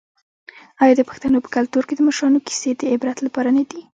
آیا د پښتنو په کلتور کې د مشرانو کیسې د عبرت لپاره نه دي؟